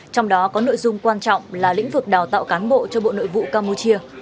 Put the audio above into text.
trong đó có nội dung quan trọng là lĩnh vực đào tạo cán bộ cho bộ nội vụ campuchia